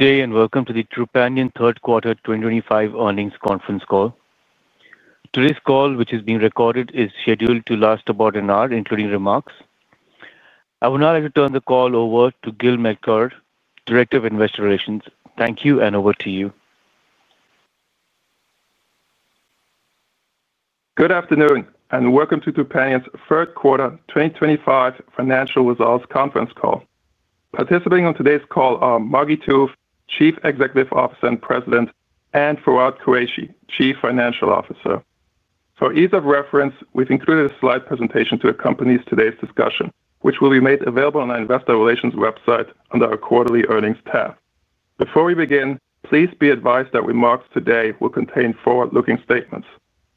Good day and welcome to the Trupanion's Q3 2025 earnings conference call. Today's call, which is being recorded, is scheduled to last about an hour, including remarks. I would now like to turn the call over to Gil McGill, Director of Investor Relations. Thank you, and over to you. Good afternoon and welcome to Trupanion's Q3 2025 financial results conference call. Participating on today's call are Margi Tooth, Chief Executive Officer and President, and Fawwad Qureshi, Chief Financial Officer. For ease of reference, we've included a slide presentation to accompany today's discussion, which will be made available on our Investor Relations website under our Quarterly Earnings tab. Before we begin, please be advised that remarks today will contain forward-looking statements.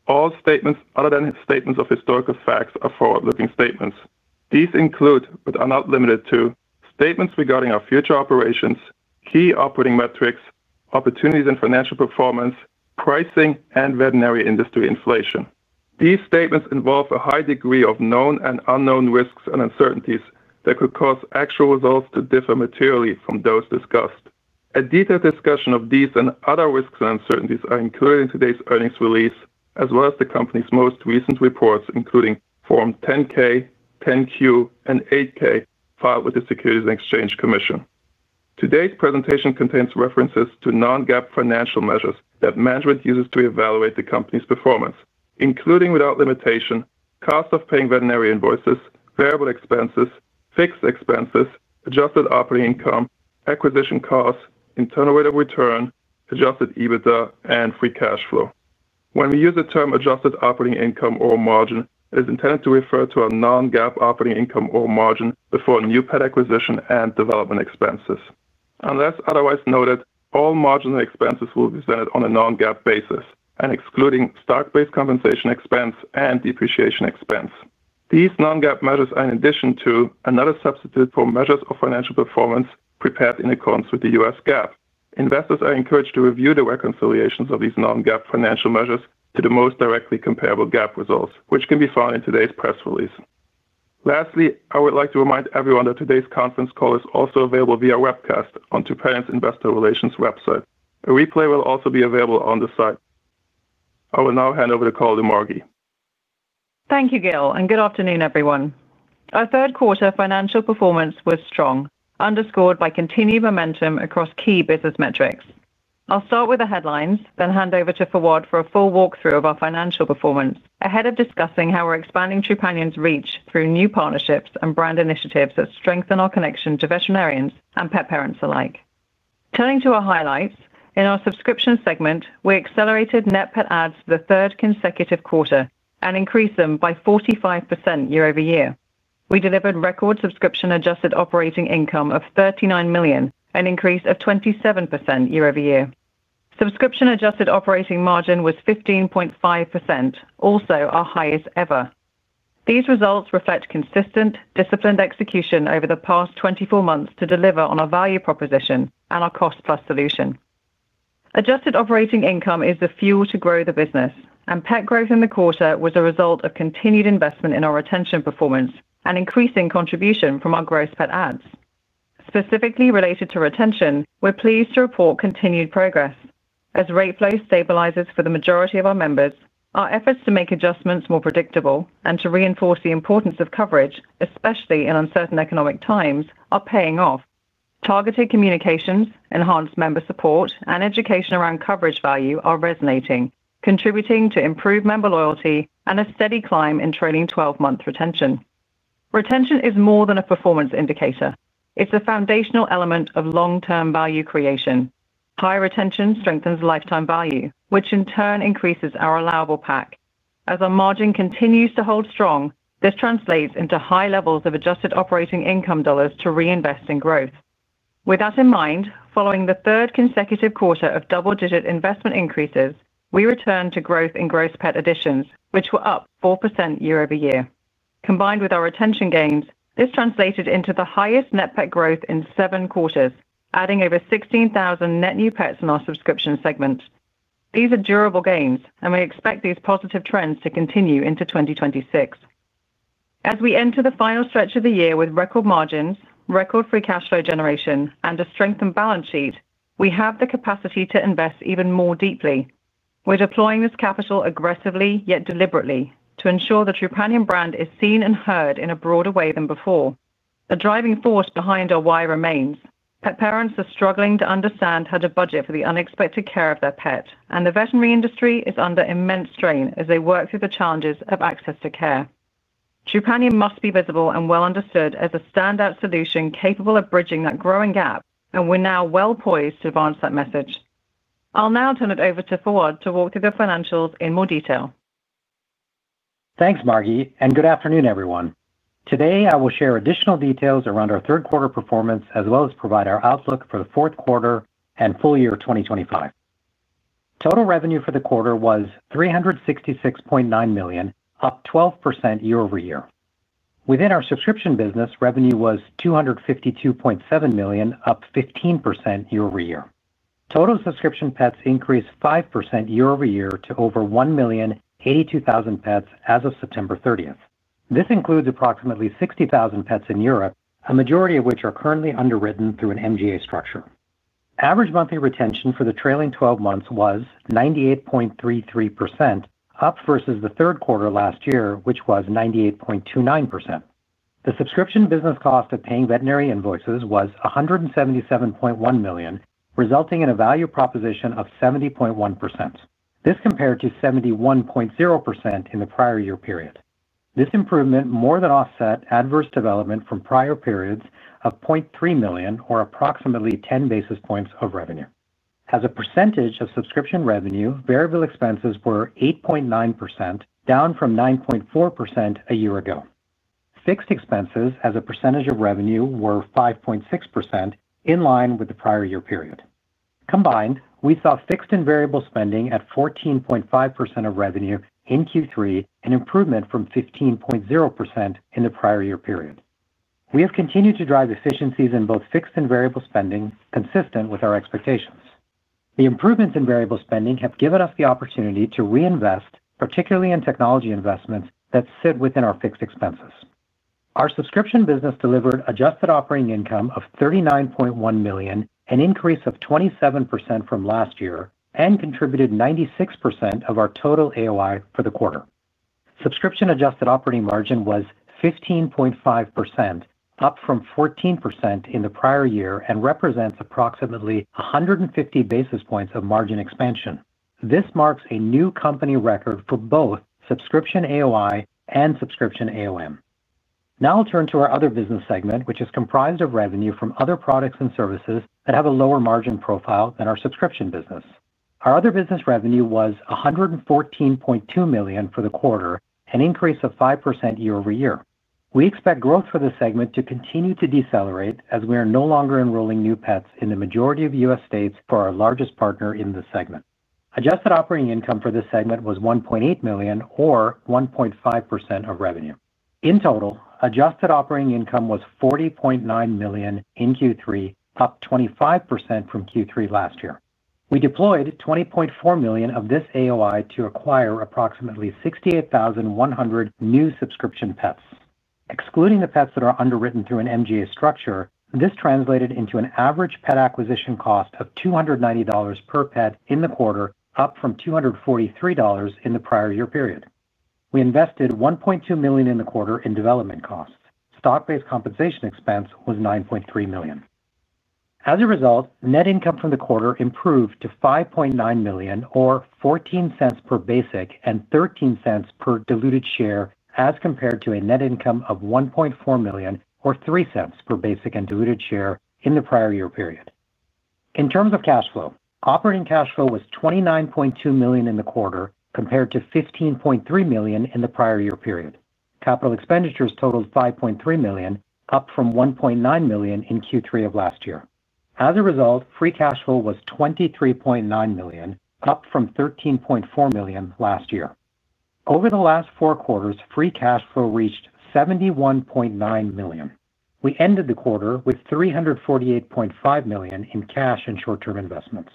All statements other than statements of historical facts are forward-looking statements. These include, but are not limited to, statements regarding our future operations, key operating metrics, opportunities in financial performance, pricing, and veterinary industry inflation. These statements involve a high degree of known and unknown risks and uncertainties that could cause actual results to differ materially from those discussed. A detailed discussion of these and other risks and uncertainties is included in today's earnings release, as well as the company's most recent reports, including Form 10-K, 10-Q, and 8-K filed with the Securities and Exchange Commission. Today's presentation contains references to non-GAAP financial measures that management uses to evaluate the company's performance, including without limitation: cost of paying veterinary invoices, variable expenses, fixed expenses, adjusted operating income, acquisition costs, internal rate of return, Adjusted EBITDA, and free cash flow. When we use the term adjusted operating income or margin, it is intended to refer to a non-GAAP operating income or margin before new pet acquisition and development expenses. Unless otherwise noted, all marginal expenses will be presented on a non-GAAP basis, excluding stock-based compensation expense and depreciation expense. These non-GAAP measures are in addition to and not a substitute for measures of financial performance prepared in accordance with US GAAP. Investors are encouraged to review the reconciliations of these non-GAAP financial measures to the most directly comparable GAAP results, which can be found in today's press release. Lastly, I would like to remind everyone that today's conference call is also available via webcast on Trupanion's Investor Relations website. A replay will also be available on the site. I will now hand over the call to Margi. Thank you, Gil, and good afternoon, everyone. Our Q3 financial performance was strong, underscored by continued momentum across key business metrics. I'll start with the headlines, then hand over to Fawwad for a full walkthrough of our financial performance ahead of discussing how we're expanding Trupanion's reach through new partnerships and brand initiatives that strengthen our connection to veterinarians and pet parents alike. Turning to our highlights, in our subscription segment, we accelerated net pet adds for the third consecutive quarter and increased them by 45% year over year. We delivered record subscription-Adjusted operating income of $39 million, an increase of 27% year over year. Subscription-adjusted operating margin was 15.5%, also our highest ever. These results reflect consistent, disciplined execution over the past 24 months to deliver on our value proposition and our cost-plus solution. Adjusted operating income is the fuel to grow the business, and pet growth in the quarter was a result of continued investment in our retention performance and increasing contribution from our gross pet ads. Specifically related to retention, we're pleased to report continued progress. As rate flow stabilizes for the majority of our members, our efforts to make adjustments more predictable and to reinforce the importance of coverage, especially in uncertain economic times, are paying off. Targeted communications, enhanced member support, and education around coverage value are resonating, contributing to improved member loyalty and a steady climb in trailing 12-month retention. Retention is more than a performance indicator. It's a foundational element of long-term value creation. High retention strengthens lifetime value, which in turn increases our allowable PAC. As our margin continues to hold strong, this translates into high levels of adjusted operating income dollars to reinvest in growth. With that in mind, following the third consecutive quarter of double-digit investment increases, we returned to growth in gross pet additions, which were up 4% year over year. Combined with our retention gains, this translated into the highest net pet growth in seven quarters, adding over 16,000 net new pets in our subscription segment. These are durable gains, and we expect these positive trends to continue into 2026. As we enter the final stretch of the year with record margins, record free cash flow generation, and a strengthened balance sheet, we have the capacity to invest even more deeply. We're deploying this capital aggressively yet deliberately to ensure the Trupanion brand is seen and heard in a broader way than before. The driving force behind our why remains. Pet parents are struggling to understand how to budget for the unexpected care of their pet, and the veterinary industry is under immense strain as they work through the challenges of access to care. Trupanion's must be visible and well understood as a standout solution capable of bridging that growing gap, and we're now well poised to advance that message. I'll now turn it over to Fawwad to walk through the financials in more detail. Thanks, Margi, and good afternoon, everyone. Today, I will share additional details around our Q3 performance as well as provide our outlook for Q4 and full year 2025. Total revenue for the quarter was $366.9 million, up 12% year over year. Within our subscription business, revenue was $252.7 million, up 15% year over year. Total subscription pets increased 5% year over year to over 1,082,000 pets as of September 30. This includes approximately 60,000 pets in Europe, a majority of which are currently underwritten through an MGA structure. Average monthly retention for the trailing 12 months was 98.33%, up versus Q3 last year, which was 98.29%. The subscription business cost of paying veterinary invoices was $177.1 million, resulting in a value proposition of 70.1%. This compared to 71.0% in the prior year period. This improvement more than offset adverse development from prior periods of $0.3 million, or approximately 10 basis points of revenue. As a percentage of subscription revenue, variable expenses were 8.9%, down from 9.4% a year ago. Fixed expenses, as a percentage of revenue, were 5.6%, in line with the prior year period. Combined, we saw fixed and variable spending at 14.5% of revenue in Q3 and improvement from 15.0% in the prior year period. We have continued to drive efficiencies in both fixed and variable spending, consistent with our expectations. The improvements in variable spending have given us the opportunity to reinvest, particularly in technology investments that sit within our fixed expenses. Our subscription business delivered adjusted operating income of $39.1 million, an increase of 27% from last year, and contributed 96% of our total AOI for the quarter. Subscription adjusted operating margin was 15.5%, up from 14% in the prior year and represents approximately 150 basis points of margin expansion. This marks a new company record for both subscription AOI and subscription AOM. Now I'll turn to our other business segment, which is comprised of revenue from other products and services that have a lower margin profile than our subscription business. Our other business revenue was $114.2 million for the quarter, an increase of 5% year over year. We expect growth for this segment to continue to decelerate as we are no longer enrolling new pets in the majority of US states for our largest partner in this segment. Adjusted operating income for this segment was $1.8 million, or 1.5% of revenue. In total, adjusted operating income was $40.9 million in Q3, up 25% from Q3 last year. We deployed $20.4 million of this AOI to acquire approximately 68,100 new subscription pets. Excluding the pets that are underwritten through an MGA structure, this translated into an average pet acquisition cost of $290 per pet in the quarter, up from $243 in the prior year period. We invested $1.2 million in the quarter in development costs. Stock-based compensation expense was $9.3 million. As a result, net income from the quarter improved to $5.9 million, or $0.14 per basic and $0.13 per diluted share, as compared to a net income of $1.4 million, or $0.03 per basic and diluted share in the prior year period. In terms of cash flow, operating cash flow was $29.2 million in the quarter, compared to $15.3 million in the prior year period. Capital expenditures totaled $5.3 million, up from $1.9 million in Q3 of last year. As a result, free cash flow was $23.9 million, up from $13.4 million last year. Over the last four quarters, free cash flow reached $71.9 million. We ended the quarter with $348.5 million in cash and short-term investments.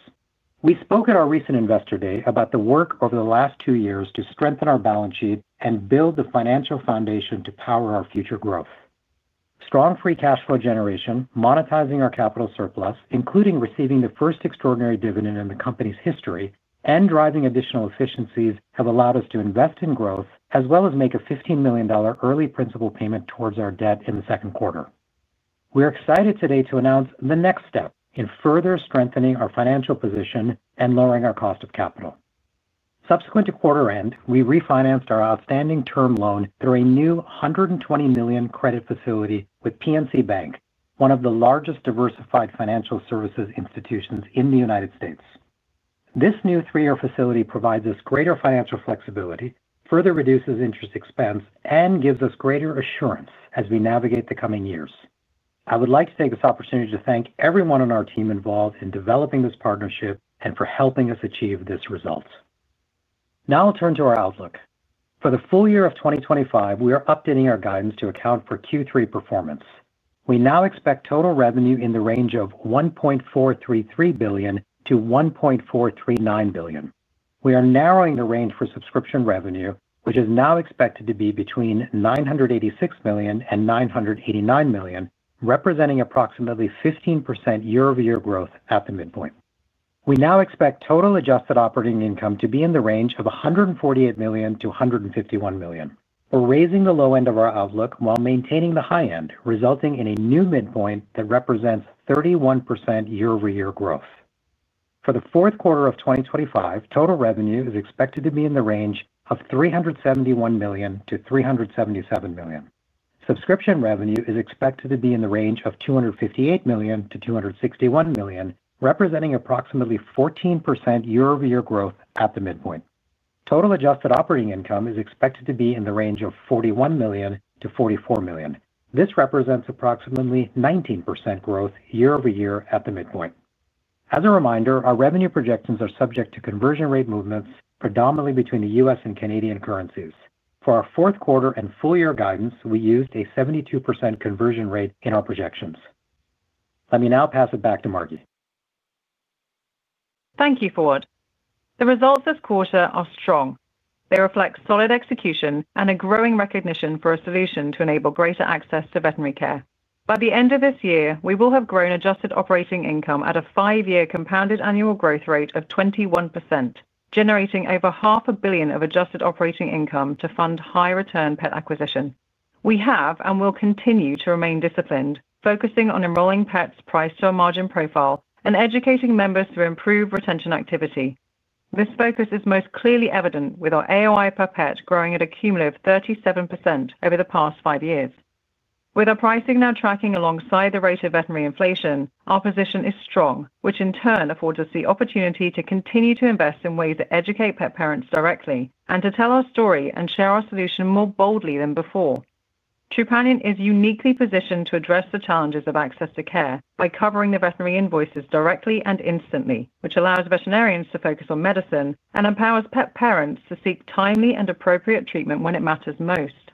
We spoke at our recent investor day about the work over the last two years to strengthen our balance sheet and build the financial foundation to power our future growth. Strong free cash flow generation, monetizing our capital surplus, including receiving the first extraordinary dividend in the company's history, and driving additional efficiencies have allowed us to invest in growth as well as make a $15 million early principal payment towards our debt in the second quarter. We are excited today to announce the next step in further strengthening our financial position and lowering our cost of capital. Subsequent to quarter end, we refinanced our outstanding term loan through a new $120 million credit facility with PNC Bank, one of the largest diversified financial services institutions in the United States. This new three-year facility provides us greater financial flexibility, further reduces interest expense, and gives us greater assurance as we navigate the coming years. I would like to take this opportunity to thank everyone on our team involved in developing this partnership and for helping us achieve this result. Now I'll turn to our outlook. For the full year of 2025, we are updating our guidance to account for Q3 performance. We now expect total revenue in the range of $1.433 billion-$1.439 billion. We are narrowing the range for subscription revenue, which is now expected to be between $986 million and $989 million, representing approximately 15% year-over-year growth at the midpoint. We now expect total adjusted operating income to be in the range of $148 million-$151 million. We're raising the low end of our outlook while maintaining the high end, resulting in a new midpoint that represents 31% year-over-year growth. For the Q4 of 2025, total revenue is expected to be in the range of $371 million-$377 million. Subscription revenue is expected to be in the range of $258 million-$261 million, representing approximately 14% year-over-year growth at the midpoint. Total adjusted operating income is expected to be in the range of $41 million-$44 million. This represents approximately 19% growth year-over-year at the midpoint. As a reminder, our revenue projections are subject to conversion rate movements, predominantly between the U.S. and Canadian currencies. For our Q4 and full year guidance, we used a 72% conversion rate in our projections. Let me now pass it back to Margi. Thank you, Fawwad. The results this quarter are strong. They reflect solid execution and a growing recognition for a solution to enable greater access to veterinary care. By the end of this year, we will have grown adjusted operating income at a five-year compounded annual growth rate of 21%, generating over $500,000,000 of adjusted operating income to fund high-return pet acquisition. We have and will continue to remain disciplined, focusing on enrolling pets priced to our margin profile and educating members through improved retention activity. This focus is most clearly evident with our AOI per pet growing at a cumulative 37% over the past five years. With our pricing now tracking alongside the rate of veterinary inflation, our position is strong, which in turn affords us the opportunity to continue to invest in ways that educate pet parents directly and to tell our story and share our solution more boldly than before. Trupanion's is uniquely positioned to address the challenges of access to care by covering the veterinary invoices directly and instantly, which allows veterinarians to focus on medicine and empowers pet parents to seek timely and appropriate treatment when it matters most.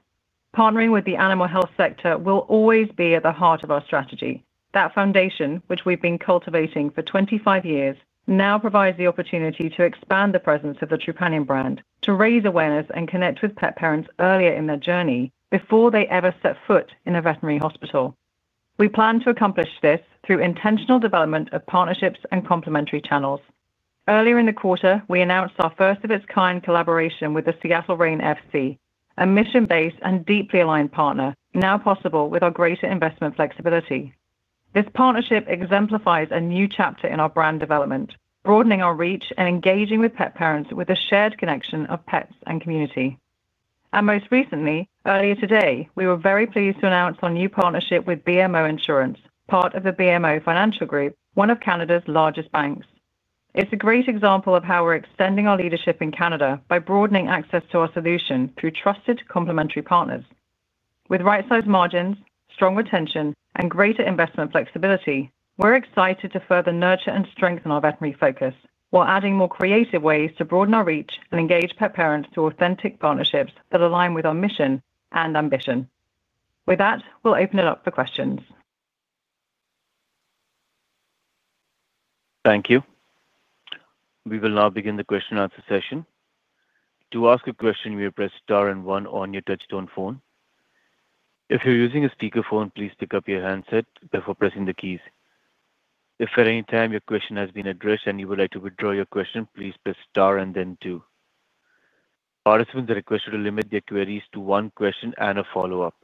Partnering with the animal health sector will always be at the heart of our strategy. That foundation, which we've been cultivating for 25 years, now provides the opportunity to expand the presence of the Trupanion's brand to raise awareness and connect with pet parents earlier in their journey before they ever set foot in a veterinary hospital. We plan to accomplish this through intentional development of partnerships and complementary channels. Earlier in the quarter, we announced our first-of-its-kind collaboration with the Seattle Reign FC, a mission-based and deeply aligned partner, now possible with our greater investment flexibility. This partnership exemplifies a new chapter in our brand development, broadening our reach and engaging with pet parents with the shared connection of pets and community. Most recently, earlier today, we were very pleased to announce our new partnership with BMO Insurance, part of the BMO Financial Group, one of Canada's largest banks. It's a great example of how we're extending our leadership in Canada by broadening access to our solution through trusted complementary partners. With right-sized margins, strong retention, and greater investment flexibility, we're excited to further nurture and strengthen our veterinary focus while adding more creative ways to broaden our reach and engage pet parents through authentic partnerships that align with our mission and ambition. With that, we'll open it up for questions. Thank you. We will now begin the question-and-answer session. To ask a question, you may press Star and 1 on your touchstone phone. If you're using a speakerphone, please pick up your handset before pressing the keys. If at any time your question has been addressed and you would like to withdraw your question, please press Star and then 2. Participants are requested to limit their queries to one question and a follow-up.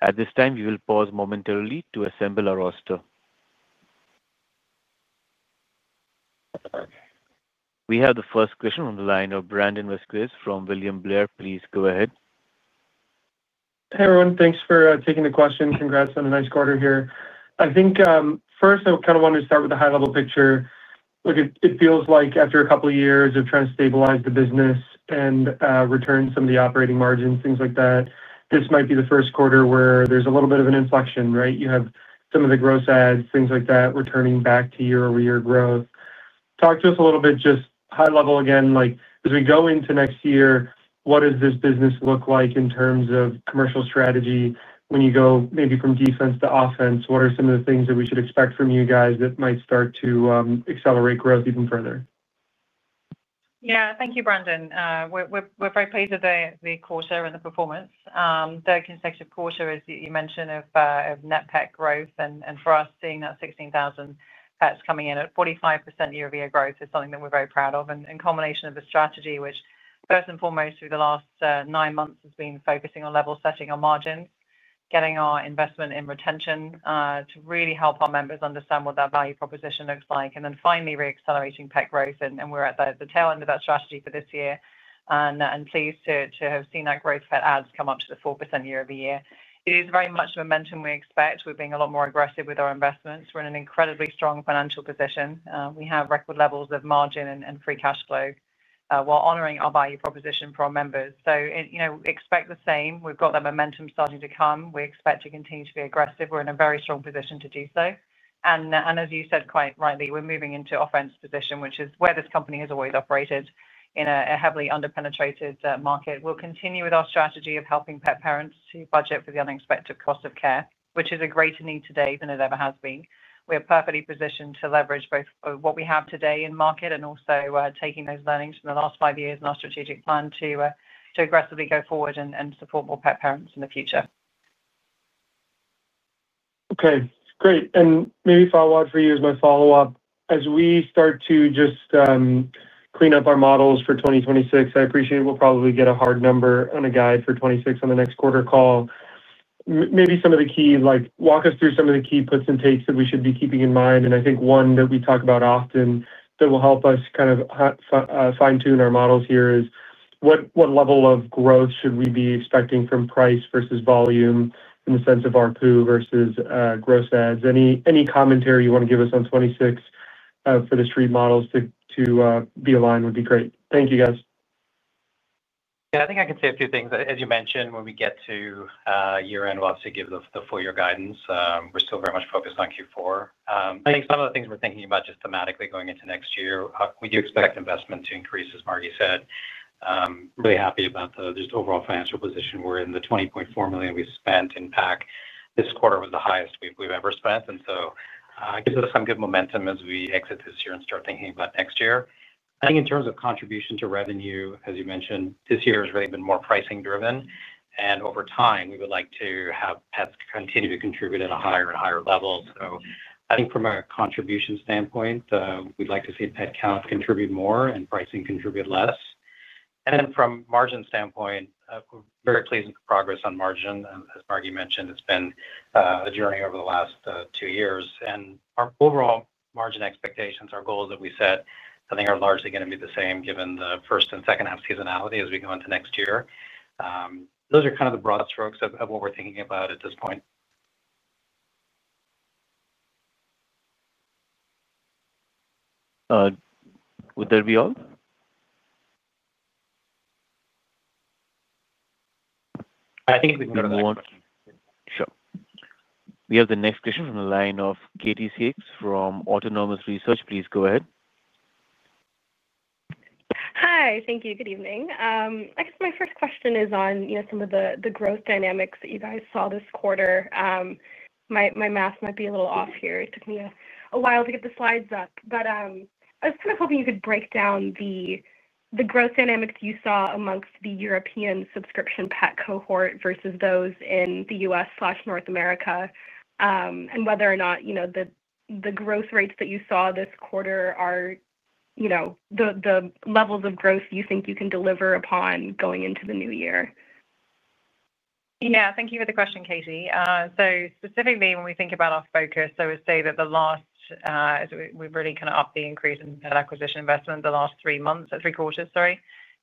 At this time, we will pause momentarily to assemble our roster. We have the first question on the line of Brandon Vazquez from William Blair. Please go ahead. Hey, everyone. Thanks for taking the question. Congrats on a nice quarter here. I think, first, I kind of wanted to start with the high-level picture. It feels like after a couple of years of trying to stabilize the business and return some of the operating margins, things like that, this might be the first quarter where there's a little bit of an inflection, right? You have some of the gross ads, things like that, returning back to year-over-year growth. Talk to us a little bit, just high-level again, as we go into next year, what does this business look like in terms of commercial strategy when you go maybe from defense to offense? What are some of the things that we should expect from you guys that might start to accelerate growth even further? Yeah, thank you, Brandon. We're very pleased with the quarter and the performance. The consecutive quarter, as you mentioned, of net pet growth, and for us, seeing that 16,000 pets coming in at 45% year-over-year growth is something that we're very proud of. In combination with the strategy, which first and foremost through the last nine months has been focusing on level setting our margins, getting our investment in retention to really help our members understand what that value proposition looks like, and then finally re-accelerating pet growth. We're at the tail end of that strategy for this year. Pleased to have seen that growth pet ads come up to the 4% year-over-year. It is very much the momentum we expect. We're being a lot more aggressive with our investments. We're in an incredibly strong financial position. We have record levels of margin and free cash flow while honoring our value proposition for our members. Expect the same. We've got that momentum starting to come. We expect to continue to be aggressive. We're in a very strong position to do so. As you said quite rightly, we're moving into an offense position, which is where this company has always operated in a heavily under-penetrated market. We'll continue with our strategy of helping pet parents to budget for the unexpected cost of care, which is a greater need today than it ever has been. We are perfectly positioned to leverage both what we have today in market and also taking those learnings from the last five years in our strategic plan to aggressively go forward and support more pet parents in the future. Okay, great. Maybe Fawwad, for you as my follow-up, as we start to just clean up our models for 2026, I appreciate we'll probably get a hard number on a guide for 2026 on the next quarter call. Maybe some of the keys, walk us through some of the key puts and takes that we should be keeping in mind. I think one that we talk about often that will help us kind of fine-tune our models here is what level of growth should we be expecting from price versus volume in the sense of RPU versus gross ads? Any commentary you want to give us on 2026 for the street models to be aligned would be great. Thank you, guys. Yeah, I think I can say a few things. As you mentioned, when we get to year-end, we'll obviously give the full-year guidance. We're still very much focused on Q4. I think some of the things we're thinking about just thematically going into next year, we do expect investment to increase, as Margi said. Really happy about the overall financial position we're in, the $20.4 million we spent in PAC. This quarter was the highest we've ever spent. It gives us some good momentum as we exit this year and start thinking about next year. I think in terms of contribution to revenue, as you mentioned, this year has really been more pricing-driven. Over time, we would like to have pets continue to contribute at a higher and higher level. I think from a contribution standpoint, we'd like to see pet count contribute more and pricing contribute less. From a margin standpoint, we're very pleased with the progress on margin. As Margi mentioned, it's been a journey over the last two years. Our overall margin expectations, our goals that we set, I think are largely going to be the same given the first and second-half seasonality as we go into next year. Those are kind of the broad strokes of what we're thinking about at this point. Would that be all? I think we can go to the next question. Sure. We have the next question from the line of Katie Six from Autonomous Research. Please go ahead. Hi, thank you. Good evening. I guess my first question is on some of the growth dynamics that you guys saw this quarter. My math might be a little off here. It took me a while to get the slides up. I was kind of hoping you could break down the growth dynamics you saw amongst the European subscription pet cohort versus those in the US/North America, and whether or not the growth rates that you saw this quarter are the levels of growth you think you can deliver upon going into the new year. Yeah, thank you for the question, Katie. Specifically, when we think about our focus, I would say that the last—we've really kind of upped the increase in pet acquisition investment the last three quarters, sorry.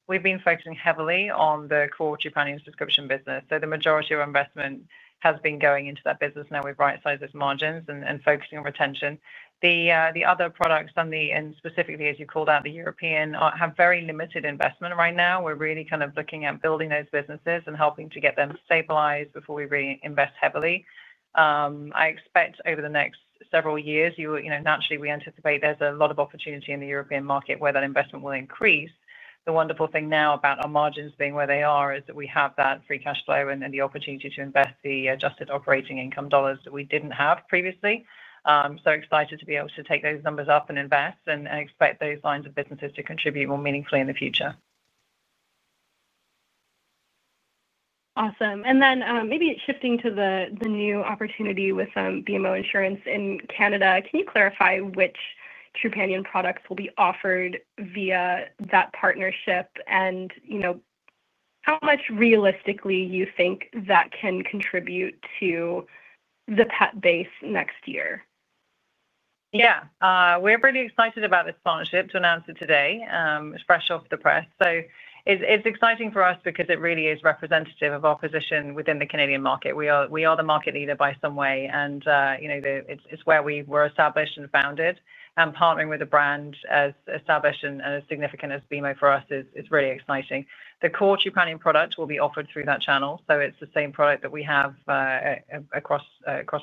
We've been focusing heavily on the core Trupanion's subscription business. The majority of our investment has been going into that business. Now we've right-sized those margins and are focusing on retention. The other products, and specifically, as you called out, the European, have very limited investment right now. We're really kind of looking at building those businesses and helping to get them stabilized before we really invest heavily. I expect over the next several years, naturally, we anticipate there's a lot of opportunity in the European market where that investment will increase. The wonderful thing now about our margins being where they are is that we have that free cash flow and the opportunity to invest the adjusted operating income dollars that we did not have previously. Excited to be able to take those numbers up and invest and expect those lines of businesses to contribute more meaningfully in the future. Awesome. Maybe shifting to the new opportunity with BMO Insurance in Canada, can you clarify which Trupanion's products will be offered via that partnership? How much realistically you think that can contribute to the pet base next year? Yeah, we're pretty excited about this partnership to announce it today. It's fresh off the press. It's exciting for us because it really is representative of our position within the Canadian market. We are the market leader by some way. It's where we were established and founded. Partnering with a brand as established and as significant as BMO for us is really exciting. The core Trupanion's product will be offered through that channel. It's the same product that we have across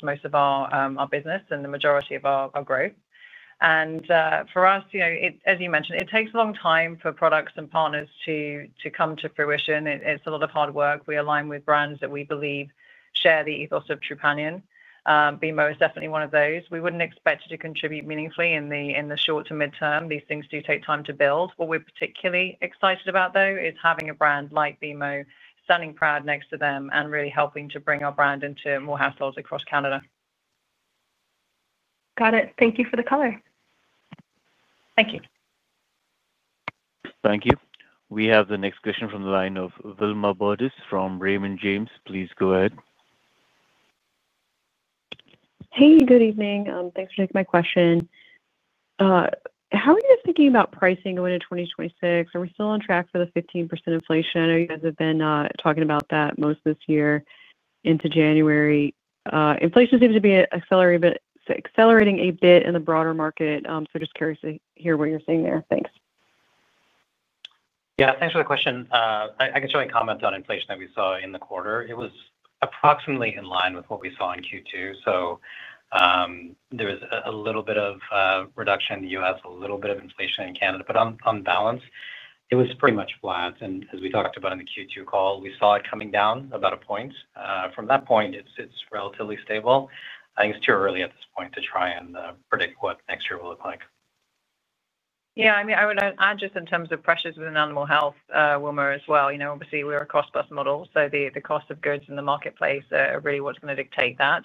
most of our business and the majority of our growth. For us, as you mentioned, it takes a long time for products and partners to come to fruition. It's a lot of hard work. We align with brands that we believe share the ethos of Trupanion's. BMO is definitely one of those. We wouldn't expect it to contribute meaningfully in the short to midterm. These things do take time to build. What we are particularly excited about, though, is having a brand like BMO standing proud next to them and really helping to bring our brand into more households across Canada. Got it. Thank you for the color. Thank you. Thank you. We have the next question from the line of Wilma Burdis from Raymond James. Please go ahead. Hey, good evening. Thanks for taking my question. How are you guys thinking about pricing going into 2026? Are we still on track for the 15% inflation? I know you guys have been talking about that most this year into January. Inflation seems to be accelerating a bit in the broader market. Just curious to hear what you're seeing there. Thanks. Yeah, thanks for the question. I can certainly comment on inflation that we saw in the quarter. It was approximately in line with what we saw in Q2. There was a little bit of reduction in the U.S., a little bit of inflation in Canada. On balance, it was pretty much flat. As we talked about in the Q2 call, we saw it coming down about a point. From that point, it is relatively stable. I think it is too early at this point to try and predict what next year will look like. Yeah, I mean, I would add just in terms of pressures within animal health, Wilma, as well. Obviously, we're a cost-plus model. So the cost of goods in the marketplace are really what's going to dictate that.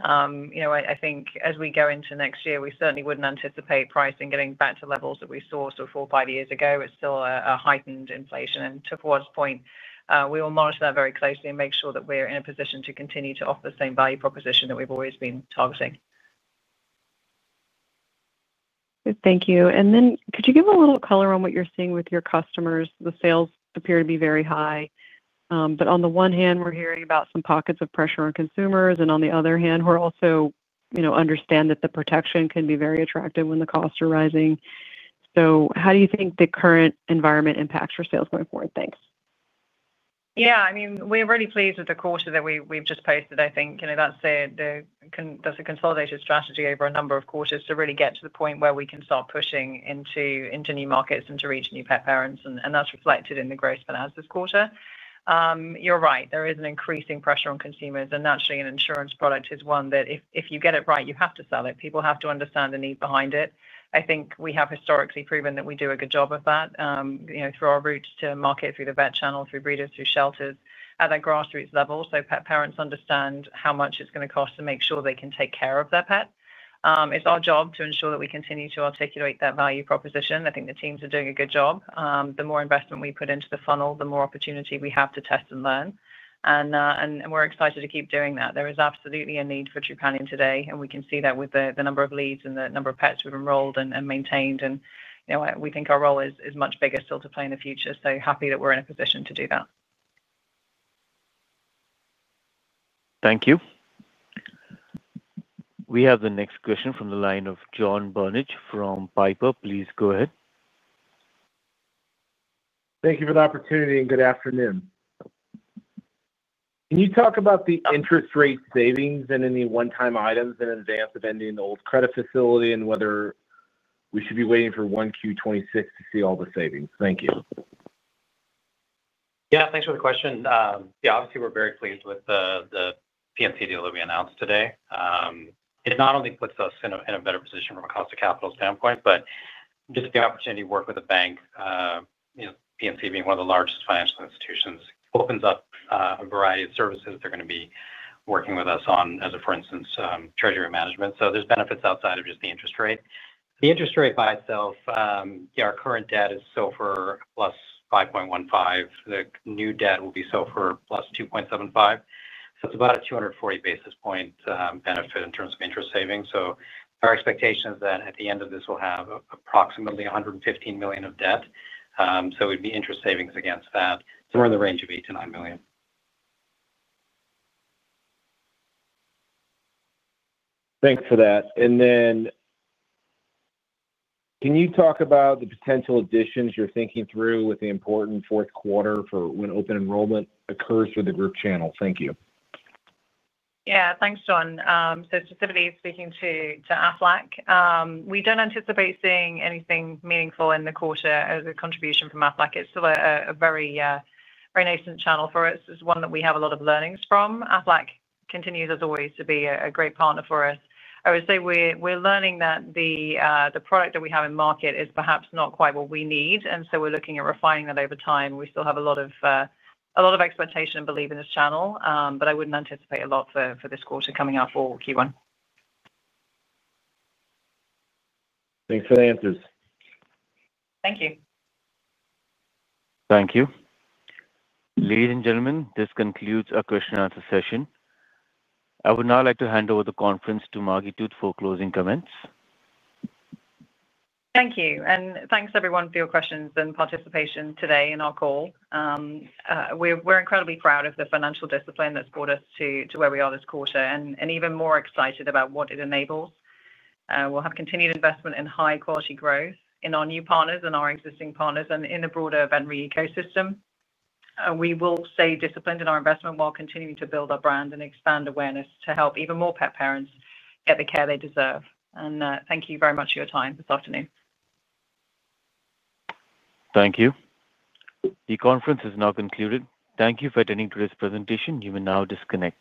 I think as we go into next year, we certainly wouldn't anticipate pricing getting back to levels that we saw four or five years ago. It's still a heightened inflation. And to Fawwad point, we will monitor that very closely and make sure that we're in a position to continue to offer the same value proposition that we've always been targeting. Thank you. Could you give a little color on what you're seeing with your customers? The sales appear to be very high. On the one hand, we're hearing about some pockets of pressure on consumers. On the other hand, we also understand that the protection can be very attractive when the costs are rising. How do you think the current environment impacts your sales going forward? Thanks. Yeah, I mean, we're really pleased with the quarter that we've just posted. I think that's a consolidated strategy over a number of quarters to really get to the point where we can start pushing into new markets and to reach new pet parents. That's reflected in the growth spin outs this quarter. You're right. There is an increasing pressure on consumers. Naturally, an insurance product is one that if you get it right, you have to sell it. People have to understand the need behind it. I think we have historically proven that we do a good job of that through our routes to market, through the vet channel, through breeders, through shelters, at that grassroots level. Pet parents understand how much it's going to cost to make sure they can take care of their pet. is our job to ensure that we continue to articulate that value proposition. I think the teams are doing a good job. The more investment we put into the funnel, the more opportunity we have to test and learn. We are excited to keep doing that. There is absolutely a need for Trupanion's today. We can see that with the number of leads and the number of pets we have enrolled and maintained. We think our role is much bigger still to play in the future. Happy that we are in a position to do that. Thank you. We have the next question from the line of John Barnidge from Piper. Please go ahead. Thank you for the opportunity and good afternoon. Can you talk about the interest rate savings and any one-time items in advance of ending the old credit facility and whether we should be waiting for 1Q 2026 to see all the savings? Thank you. Yeah, thanks for the question. Yeah, obviously, we're very pleased with the PNC deal that we announced today. It not only puts us in a better position from a cost of capital standpoint, but just the opportunity to work with a bank. PNC being one of the largest financial institutions, opens up a variety of services they're going to be working with us on, as for instance, treasury management. There are benefits outside of just the interest rate. The interest rate by itself, our current debt is SOFR plus 5.15. The new debt will be SOFR plus 2.75. It is about a 240 basis point benefit in terms of interest savings. Our expectation is that at the end of this, we'll have approximately $115 million of debt. It would be interest savings against that, somewhere in the range of $8-$9 million. Thanks for that. Can you talk about the potential additions you're thinking through with the important fourth quarter for when open enrollment occurs for the group channel? Thank you. Yeah, thanks, John. Specifically speaking to Aflac, we do not anticipate seeing anything meaningful in the quarter as a contribution from Aflac. It is still a very nascent channel for us. It is one that we have a lot of learnings from. Aflac continues, as always, to be a great partner for us. I would say we are learning that the product that we have in market is perhaps not quite what we need. We are looking at refining that over time. We still have a lot of expectation and belief in this channel. I would not anticipate a lot for this quarter coming up or Q1. Thanks for the answers. Thank you. Thank you. Ladies and gentlemen, this concludes our question-and-answer session. I would now like to hand over the conference to Margi Tooth for closing comments. Thank you. Thank you, everyone, for your questions and participation today in our call. We are incredibly proud of the financial discipline that has brought us to where we are this quarter and even more excited about what it enables. We will have continued investment in high-quality growth in our new partners and our existing partners and in the broader veterinary ecosystem. We will stay disciplined in our investment while continuing to build our brand and expand awareness to help even more pet parents get the care they deserve. Thank you very much for your time this afternoon. Thank you. The conference is now concluded. Thank you for attending today's presentation. You may now disconnect.